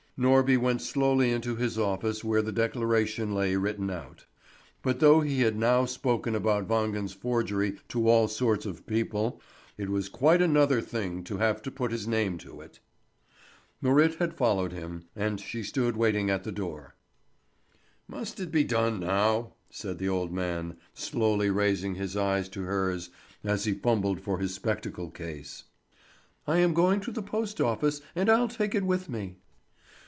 Norby went slowly into his office where the declaration lay written out. But though he had now spoken about Wangen's forgery to all sorts of people, it was quite another thing to have to put his name to it. Marit had followed him, and she stood waiting at the door. "Must it be done now?" said the old man, slowly raising his eyes to hers as he fumbled for his spectacle case. "I am going to the post office, and I'll take it with me."